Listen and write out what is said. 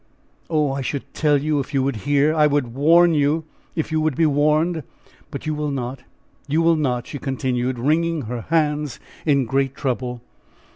Oh! I could tell you if you would hear! I could warn you, if you would be warned! But you will not! you will not!" she continued, wringing her hands in great trouble.